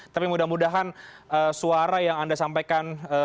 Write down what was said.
tapi mudah mudahan suara yang anda sampaikan